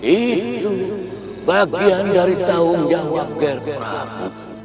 itu bagian dari taunya wabgar prabu